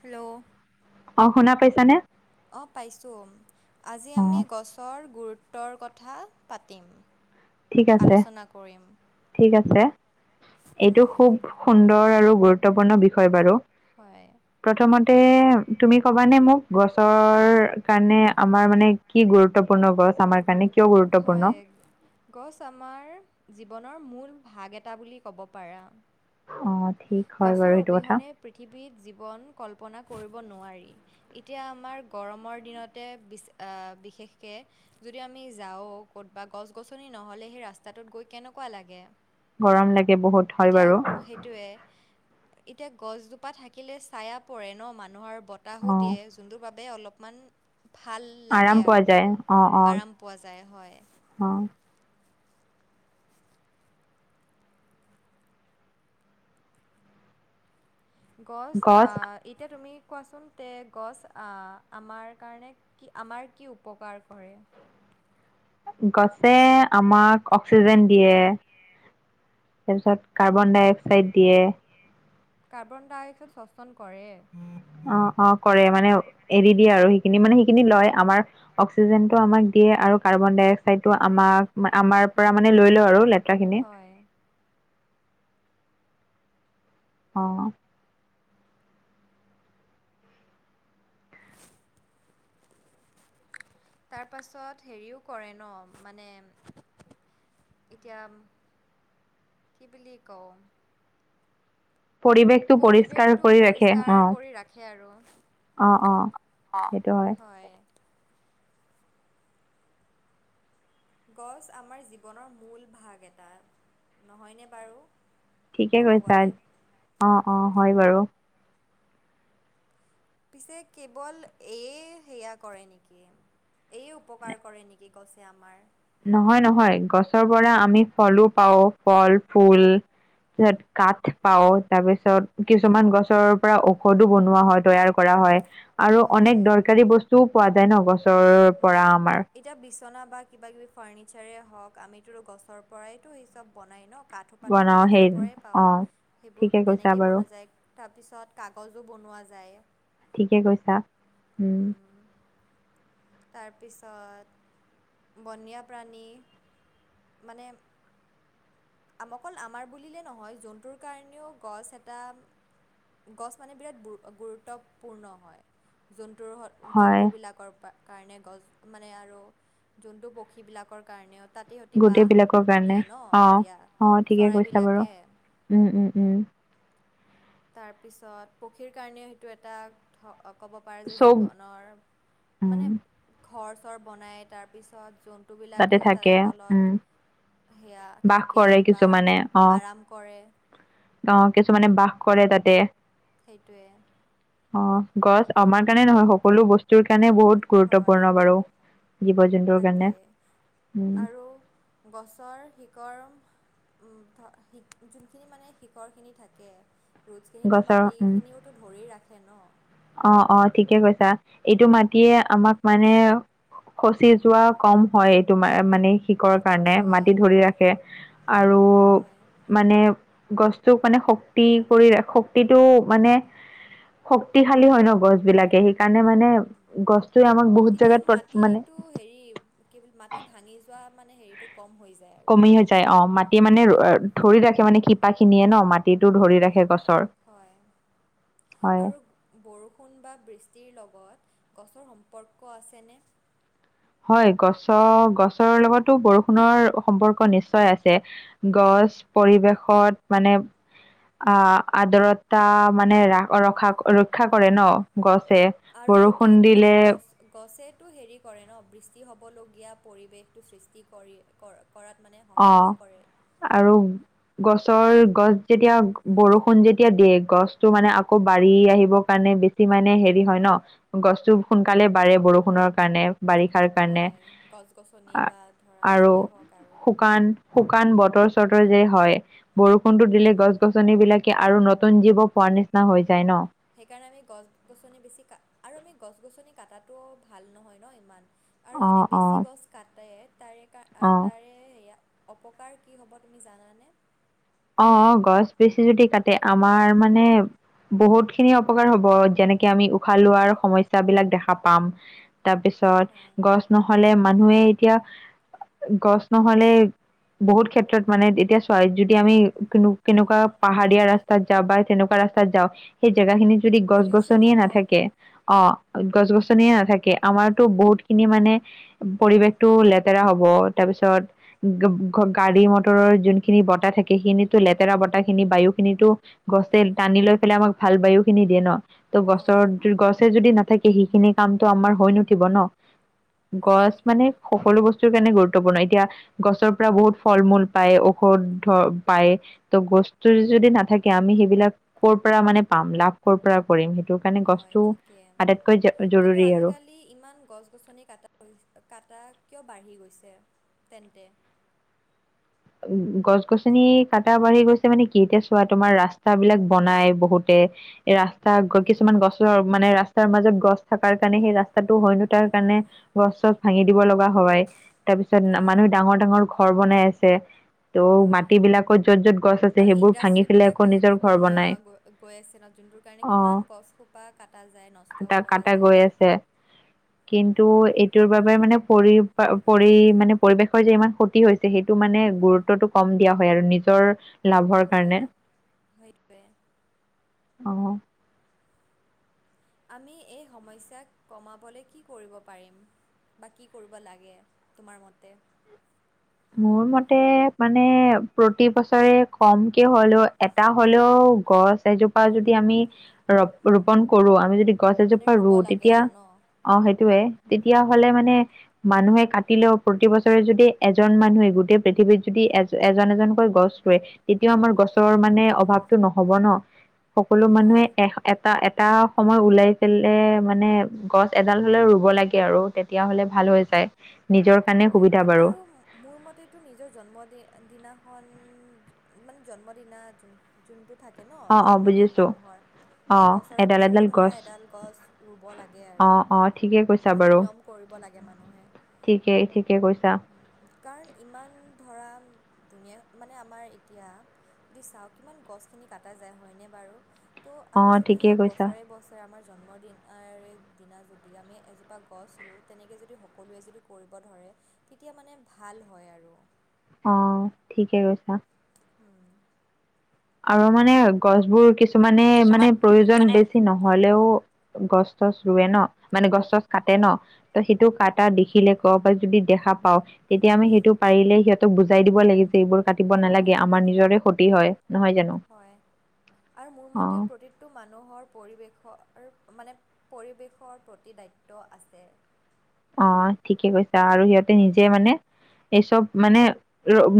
Hello অ'শুনা পাইছা নে? অ'পাইছোঁ আজি অ আমি গছৰ গুৰুত্বৰ কথা পাতিম। ঠিক আছে, আলোচনা কৰিম ঠিক আছে এইটো হয় খুব সুন্দৰ আৰু গুৰুত্বপূৰ্ণ বি হয়। প্ৰথমতে তুমি কবানে মোক গছৰ কাৰণে আমাৰ মানে কি গুৰুত্বপূৰ্ণ গছ আমাৰ কাৰণে কিয় গুৰুত্বপূৰ্ণ? হয় গছ আমাৰ জীৱনৰ মূল ভাগ এটা বুলি ক'ব পাৰা। অঁ, ঠিক। হয় বাৰু গছৰ সেইটো কথা অবিহনে পৃথিৱীত জীৱন কল্পনা কৰিব নোৱাৰি। এতিয়া আমাৰ গৰমৰ দিনতে বি বিশেষকে- যদি আমি যাওঁ ক'তবা গছ গছনি নহ'লে সেই ৰাস্তাটোত গৈ কেনেকুৱা লাগে? গৰম লাগে বহুত হয় এতিয়া বাৰু সেইটো- এতিয়া গছজোপা থাকিলে ছাইয়া পৰে ন মানুহৰ বতাহো অ দিয়ে। যোনটোৰ বাবে অলপমান ভাল আৰাম লাগে পোৱা আৰু যায় আৰাম পোৱা যায় হয়। অঁ। গছ, আ এতিয়া তুমি কোৱাচোন তে গছ আমাৰ কাৰণে- কি আমাৰ কি উপকাৰ কৰে? গছে আমাক অক্সিজেন দিয়ে। তাৰপিছত কাৰ্বন ডাই অক্সাইড দিয়ে। কাৰ্বন ডাই অক্সাইড শ্বশন কৰে। অঁ, অঁ, কৰে মানে এৰি দিয়ে আৰু সেইখিনি মানে সেইখিনি লয় আমাৰ- আমাক দিয়ে আৰু কাৰ্বন ডাই আমাক আমাৰ পৰা মানে লৈ লওঁ আৰু লেতেৰা খিনি। হয়। অঁ। [unintelligible] তাৰপাছত হেৰিও কৰে ন মানে- এতিয়া কি বুলি কওঁ? পৰিৱেশটো পৰিষ্কাৰ পৰিৱেশটো কৰি ৰাখে অ পৰিষ্কাৰ কৰি ৰাখে আৰু। অ অ অঁ, হয়। গছ আমাৰ জীৱনৰ মূল ভাগ এটা, নহয়নে বাৰু? ঠিকে ক'ব কৈছা গ'লে অঁ, অঁ, হয় বাৰু। পিছে কেৱল এয়ে সেয়া কৰে নেকি? এইয়ে উপকাৰ কৰে নেকি গছে আমাৰ? নহয়, নহয়, গছৰ পৰা আমি ফলো পাওঁ, ফল, ফুল। তাৰ পাছত কাঠ পাওঁ, তাৰ পিছত কিছুমান গছৰ পৰা ঔষধো বনোৱা হয় তৈয়াৰ- কৰা হয় আৰু অনেক হয় দৰকাৰী বস্তুও পোৱা যায় ন গছৰ পৰা অম, আমাৰ। এতিয়া বিচনা বা কিবা কিবি ফাৰ্ণিচাৰে হওঁক, আমিতো গছৰ পৰাইতো সেই চব বনাই ন। কাঠোপাটো আমি বনাও সেই গছৰ পৰাই অ পাওঁ, ঠিকে সেইবোৰতো কৈছা তেনেকৈয়ে বাৰু বনোৱা যায়। তাৰপিছত কাগজো বনোৱা যায়। ঠিকে কৈছা, উম। হুম, তাৰপিছত বনীয়া প্ৰাণী মানে- আমকল অকল আমাৰ বুলিলে নহয় জন্তুৰ কাৰণেও গছ এটা- গছ মানে বিৰাট গু -গুৰুত্বপূৰ্ণ হয় জন্তুৰ হয় জন্তুবিলাকৰ পৰা- কাৰণে গছ মানে আৰু যোনটো পক্ষীবিলাকৰ কাৰণেও - তাতে সিহঁতি গোটেই বাঁহ বিলাকৰ কাৰণে দিয়ে ন অ এতিয়া অ ঠিকে কৈছা বাৰু চৰাইবিলাকে। উম, উম, উম। তাৰপিছত পক্ষীৰ কাৰণে সেইটো এটা - ক'ব পাৰে যে চব জীৱনৰ উম মানে- ঘৰ -চৰ বনাই তাৰপিছত জন্তু তাতে বিলাকেও থাকে তাৰে উম তলত- সেয়া বাস থাকে কৰে বা কিছুমানে অ আৰাম কৰে। অ', কিছুমানে বাস কৰে তাতে। সেইটোৱেই। অ', গছ আমাৰ কাৰণে নহয়, সকলো বস্তুৰ কাৰণে বহুত হয় গুৰুত্বপূৰ্ণ বাৰু, জীৱ-জন্তুৰ কাৰণে। তাকে উম আৰু, গছৰ শিকৰম উম, শি যোনখিনি মানে, শিখৰখিনি থাকে। ৰুটছখিনোটো গছৰ উম মাটিখিনিওতো ধৰি ৰাখে ন'। অ', অ', ঠিকে কৈছা, এইটো মাটিয়ে আমাক মানে খচি যোৱা কম হয়, এইটো তোমাৰ মানে শিকৰ কাৰণে, হয় মাটি ধৰি ৰাখে আৰু হয় মানে গছটোক মানে শক্তি কৰি ৰা, শক্তিটো মানে শক্তিশালী হয় ন গছ বিলাকে, সেইকাৰণে মানে গছটোৱে আমাক বহুত তেতিয়া জোগাত প্ৰ মানে মাটিটো হেৰি কি বুলি, মাটি ভাঙি যোৱা মানে হেৰি টো কম হৈ যায়। আৰু কমি হৈ যায় অ', মাটি মানে ৰ আ, অঁ ধৰি ৰাখে মানে শিপা খিনিয়ে ন, মাটিতো ধৰি ৰাখে গছৰ। হয়, হয় আৰু বৰষুণ বা বৃষ্টিৰ লগত, গছৰ সম্পৰ্ক আছেনে? হয়। গছৰ, গছৰ লগতো বৰষুণৰ সম্পৰ্ক নিশ্চয় আছে। গছ, পৰিৱেশত মানে আ, আদৰতা মানে ৰা-ৰখা ৰক্ষাৰ কৰে ন, গছে। আৰু বৰষুণ সিহঁতিয়েতো মানে দিলে গছ গছেতো হেৰি কৰে ন, বৃষ্টি হ'বলগীয়া পৰিৱেশটো সৃষ্টি কৰি, কৰে কৰাত মানে সহাৰ্য অ' কৰে। আৰু গছৰ, গছ যেতিয়া বৰষুণ যেতিয়া দিয়ে, গছটো মানে আকৌ বাঢ়ি আহিবৰ কাৰণে বেছি ছি মানে হেৰি হয় ন, গছটো সোনকালে বাঢ়ে বৰষুণৰ কাৰণে। বাৰিষাৰ কাৰণে হয়। গছ-গছনি বা ধৰা আৰু যিয়ে হওঁক আৰু। শুকান, শুকান বতৰ-চতৰ যে হয়, বৰষুণতো দিলে গছ গছনি বিলাক আৰু নতুন জীৱ পোৱাৰ নিচিনা হৈ যায় ন। সেইকাৰণে আমি গছ-গছনি বেছি কাট আৰু আমি গছ-গছনি কাটাটো ভাল নহয় ন ইমান। আৰু অঁ যদি অঁ বেছি গছ কাটে, তাৰে কা, আ অঁ তাৰে এইয়া অপকাৰ কি হ'ব তুমি জানানে? অ', অ', গছ বেছি যদি কাটে আমাৰ মানে বহুত খিনি অপকাৰ হ'ব, যেনেকে আমি উশাহ লোৱাৰ সমস্যাবিলাক দেখা পাম। হয় তাৰপিছত গছ নহ'লে মানুহে এতিয়া গছ নহ'লে বহুত ক্ষেত্ৰত মানে এতিয়া চোৱা য যদি আমি কোনো-কেনেকুৱা পাহাৰীয়া ৰাস্তাত যাওঁ বা তেনেকুৱা ৰাস্তাত যাওঁ সেই জেগাখিনি যদি পলিউশ্যন গছ-গছনিয়ে হ'ব নাথাকে অ', গছ-গছনিয়ে নাথাকে, আমাৰতো বহুত খিনি মানে পৰিৱেশটো লেতেৰা হ'ব, তাৰপিছত গ-গ-গাড়ী মটৰৰ যোনখিনি বতাহ থাকে সেইখিনিতো লেতেৰা বতাহ খিনি, বায়ু খিনিতো গছে টানি লৈ পেলাই আমাক ভাল বায়ু খিনি দিয়ে ন। ত' হয়। গছৰ, য গছে যদি নাথাকে, সেইখিনি কামটো আমাৰ হৈ নুঠিব ন। হয়। গছ মানে সকলো বস্তুৰ কাৰণে গুৰুত্বপূৰ্ণ। এতিয়া, গছৰ পৰা বহুত ফল-মূল পায়, ঔষধ ধৰ পায়, ত' গছটো, যদি নাথাকে আমি সেইবিলাক কৰ পৰা মানে পাম, লাভ কৰ পৰা কৰিম, সেইটো কাৰণে হয় গছটো আটাইতকৈ জৰুৰী আৰু। ই ইমান গছ-গছনি কটা, কটা কিয় বাঢ়ি গৈছে তেন্তে। গছ-গছনি কটা বাঢ়ি গৈছে মানে কি, এটিয়া চোৱা, তোমাৰ ৰাস্তা বিলাক বনাই বহুতে। ৰাস্তা কিছুমান গছৰ মানে, ৰাস্তাৰ মাজত গছ থকাৰ কাৰণে, সেই ৰাস্তাটো হয় নুঠাৰ কাৰণে গছ-চছ ভাঙি দিব লগা হয়, তাৰপিছত হয়। মানুহে ডাঙৰ, ডাঙৰ ঘৰ বনাই আছে। ত' হয়, মাটি বিলাকত য'ত য'ত গছ আছে আৰু সেইবোৰ ভাঙি ইণ্ডাষ্ট্ৰি পেলাই আকৌ নিজৰ বিলাকেওতো ঘৰ বনাই বনোৱা হৈ আছে ন, যোনটোৰ কাৰণে, অ কিমান গছ সোপা কটা যায়, নষ্ট কটা কৰা কটা যায়। গৈ আছে কিন্তু, এইটোৰ বাবে, মানে পৰি, পৰি মানে পৰিৱেশৰ যে ইমান ক্ষতি হৈছে, সেইটো মানে গুৰুত্বটো কম দিয়া হয়, আৰু নিজৰ লাভৰ হয় কাৰণে। সেইটোৱে অ'। আমি এই সমস্যাক কমাবলৈ কি কৰিব পাৰিম? বা, কি কৰিব লাগে, তোমাৰ মতে মোৰ মতে মানে, প্ৰতি বছৰে কমকে হ'লেও, এট টা হ'লেও গছ এজোপা যদি আমি, ৰ ৰোপন কৰোঁ, আমি যদি গছ মানে এজোপা ৰুব ৰুও, লাগে তেতিয়া আৰু ন অ', সেইটোয়ে, তেতিয়া হ'লে মানে, মানুহে কাটিলেও প্ৰতি বছৰে যদি এ এজন মানুহে, গোটেই পৃথিৱীত যদি, এ এজন, এজনকৈ গছ ৰুৱে তেতিয়াও আমাৰ গছৰ মানে, অভাৱতো নহ'ব ন, সকলো মানুহে হয়। এ এটা, এটা সময় ওলাই পেলে মানে, গছ এডাল হ'লেও ৰুব লাগে আৰু। তেতিয়া হ'লে ভাল হৈ যায়, নিজৰ কাৰণে হয় সুবিধা বাৰু। আৰু মোৰ মতেটো নিজৰ জন্ম দি দিনাখন, মানে জন্মদিনা যোন যোনটো থাকে ন, অ অ জন্মদিন বুজিছো মানুহৰ। অ সেই বছৰে, এডাল বছৰে এডাল ধৰা গছ এডাল গছ, ৰুব লাগে অ আৰু। অ ঠিকে সেইটো নিয়ম কৰিব লাগে, মানুহে। ঠিকেই, ঠিকে কৈছা। কাৰণ, ইমান ধৰা দুুনীয়া মানে, আমাৰ এতিয়া যদি চাওঁ, কিমান গছখিনি কাটা যায় হয়নে বাৰু, ত' অ আমি যদি ঠিকে সেই কৈছা বছৰে বছ আমাৰ জন্ম দিনৰ দিনা যদি, আমি এজোপা গছ ৰুওঁ, তেনেকে যদি সকলোৱে যদি কৰিব ধৰে, তেতিয়া মানে ভাল হয় আৰু। অ', ঠিকে কৈছা। উম। আৰু মানে, গছবোৰ কিছুমানে মানে, কিছুমান প্ৰয়োজন মানে বেছি নহ'লেও। গছ-তছ ৰুৱে ন, মানে গছ-তছ কাটে ন। ত', সেইটো কাটা দেখিলে কৰবাত যদি দেখা পাওঁ। তেতিয়া আমি, সেইটো পাৰিলে সিহঁতক, বুজাই দিব লাগে যে, এইবোৰ কাটিব নালাগে, আমাৰ সেইটোৱে নিজৰে ক্ষতি হয়। নহয় জানো হয়, আৰু মোৰ অ মতে, প্ৰ প্ৰতিটো মানুহৰ, পৰিৱেশৰ মানে, পৰিৱেশৰ প্ৰতি দায়িত্ব আছে। অ', ঠিকে কৈছা, আৰু সিহঁতে নিজে মানে এই চব মানে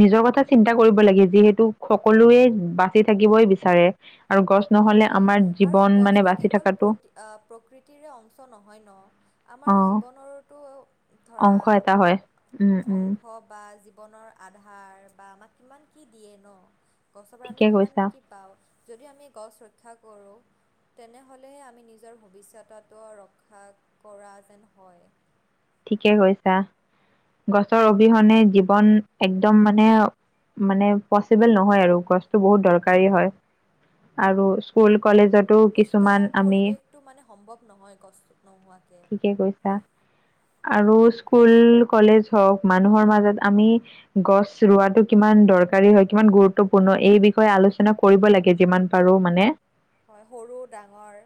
নিজৰ কথা চিন্তা কৰিব লাগে, যিহেতু সকলোৱে বাচি থাকিবই বিচাৰে। আৰু গছ নহ'লে, সেইটোয়ে আমাৰ আৰু জীৱন মানে, গছটো বাচি কেৱল থকাটো প্ৰতি আ, প্ৰকৃতিৰে অংশ নহয় ন, অ আমাৰো জীৱনৰতো ধৰা, অংশ এটা হয় উম উম অংশ বা জীৱনৰ আধাৰ বা আমাক কিমান কি দিয়ে ন, গছৰ পৰা আমি ঠিকে কিমান কৈছা কি পাওঁ। যদি আমি গছ ৰক্ষা কৰোঁ। তেনেহ'লে আমি নিজৰ ভৱিষ্যটো ৰক্ষা কৰা যেন হয়। ঠিকে কৈছা! গছৰ অবিহনে জীৱন একদম মানে মানে পচিবল নহয় আৰু গছটো বহুত দৰকাৰী হয়। আৰু স্কুল সেইটো কলেজতো সুস্থ কিছুমান আমি পৰিৱেশটো মানে সম্ভৱ নহয় গছ নোহোৱাকে। [unintelligible] আৰু স্কুল-কলেজ হওক মানুহৰ মাজত আমি গছ ৰোৱাটো কিমান দৰকাৰী হয়। কিমান গুৰুত্বপূৰ্ণ এই বিষয়ে আলোচনা কৰিব লাগে যিমান পাৰো মানে। হয় সৰু-ডাঙৰ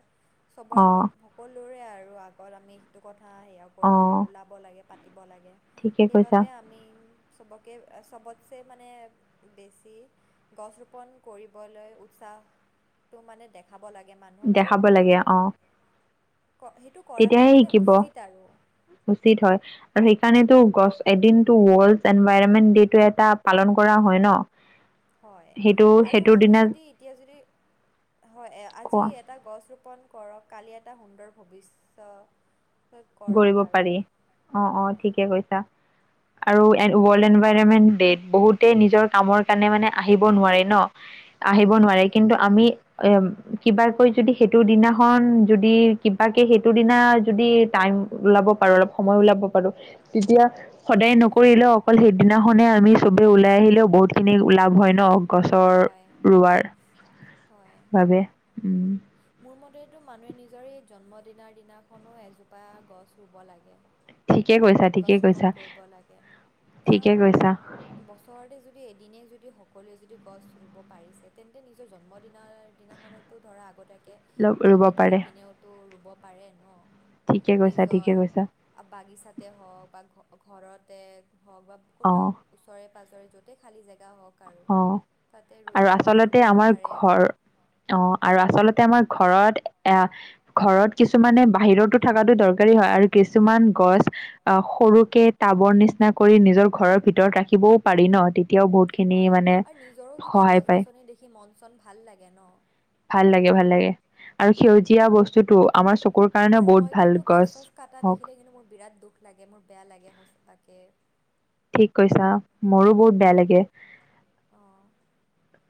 অ চবৰ সকলোৰে আৰু আগত আমি এইটো কথা সেয়া অ কৰিব লাগে ওলাব লাগে পাতিব লাগে। ঠিকে কৈছা সেইবাবে আমি চবকে চবতছে মানে বেছি গছ ৰোপন কৰিবলৈ উৎসাহ টো মানে দেখাব লাগে মানুহক আৰু দেখাব সেইটো লাগে অ ক সেইটোক কৰাটো তেতিয়াহে মানে শিকিব উচিত আৰু। উচিত হয়। আৰু সেইকাৰণেটো গছ এদিনটো ৱৰ্ল্ড এনভাইৰমেন্ট ডে এটা পালন কৰা হয় ন। হয় সেইটো আৰু সেইটোৰ আমি দিনা যদি এতিয়া যদি হয় আজি কোৱা এ এটা গছ ৰোপন কৰক কালি এটা সুন্দৰ ভৱিষ্য কৰক কৰিব আৰু পাৰি অ অ হয়। ঠিকে কৈছা। [inaudible] আৰু এন ৱৰ্ল্ড এনভাইৰমেণ্ট ডেত বহুতে নিজৰ কামৰ কাৰণে মানে আহিব নোৱাৰে ন। হয় ন? আহিব নোৱাৰে। কিন্তু আমি এ কিবাকৈ যদি সেইটো দিনাখন যদি কিবাকে সেইটো দিনা যদি টাইম ওলাব পাৰো অলপ সময় ওলাব পাৰো তেতিয়া সদায় নকৰিলেও অকল সেইদিনাখনে আমি চবে ওলাই আহিলেও বহুতখিনি লাভ হয় ন? গছৰ হয় ৰোৱাৰ হয় বাবে। মোৰ মতেটো মানুহে নিজৰ এই জন্মদিনৰ দিনাখনো এজোপা গছ ৰুব লাগে। ঠিকে কৈছা। গছ ঠিকে ৰোপন কৈছা কৰিব লাগে। ঠিকে কাৰণ কৈছা বছৰতে যদি এদিনেই যদি সকলোৱে যদি গছ ৰুব পাৰিছে। তেন্তে নিজৰ জন্মদিনৰ দিনাখনত তো ধৰা ল- আগতীয়াকে ৰুব কিনি পাৰে থৈ পিনেওতো ৰুব পাৰে ন। ঠিকে কৈছা ঠিকে নিজৰ কৈছা বাগিচাতে হওঁক বা ঘৰতে হওঁক বা অঁ ক'ৰবাত ওচৰে-পাঁজৰে য'তে খালি জেগা হওঁক আৰু অঁ তাতে ৰুব ৰুব পাৰে আৰু। অ' আৰু আচলতে আমাৰ ঘৰত এয়া ঘৰত কিছুমানে বাহিৰতো থকাতো দৰকাৰী হয়। আৰু কিছুমান গছ অ' সৰুকে টাবৰ নিচিনা কৰি নিজৰ ঘৰৰ ভিতৰত ৰাখিবও পাৰি ন। তেতিয়াও বহুতখি হয় আৰু নিজৰো তেতিয়া গছ-গছনি দেখি মন-চন ভাল লাগে ন। ভাল লাগে ভাল লাগে। আৰু উম সেউজীয়া বস্তুটো আমাৰ চকুৰ কাৰণেও আৰু মই বহুত ভাল। কিন্তু গছ চছ কাটা হওক দেখিলে কিন্তু মোৰ বিৰাট দুখ লাগে মোৰ বেয়া লাগে সঁচাকে। ঠিক কৈছা মোৰো বহুত উম বেয়া লাগে। অ।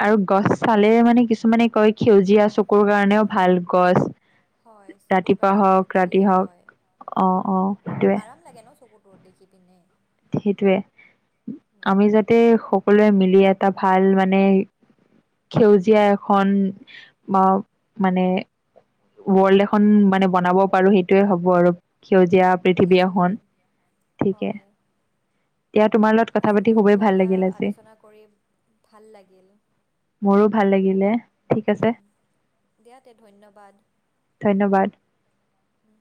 আৰু গছ চালেৰে মানে কিছুমানে কয় সেউজীয়া চকুৰ কাৰণেও ভাল গছ। হয় চকুৰ ৰাতিপুৱা কাৰণে হওক ভাল বুলি ৰাতি হওক কয় অঁ উম অঁ সেইটোৱে আৰাম লাগে ন চকুত। ৰ'দ দেখি পিনে। সেটোয়ে আমি উম যাতে সকলোৱে মিলি এটা ভাল মানে সেউজীয়া এখন বা মানে ৱৰ্ল্ড এখন মানে বনাব পাৰো সেইটোৱে হ'ব আৰু সেউজীয়া পৃথিৱী সেইটোৱে এখন, ঠিকে। হয় দিয়া তোমাৰ লগত কথা আজি পাতি মোৰ এইটো খুবেই ভাল কথা লাগিল আজি। আলোচনা কৰি ভাল লাগিল মোৰো ভাল লাগিলে, ঠিক আছে। উম, দিয়া তে ধন্যবাদ। ধন্যবাদ। উম।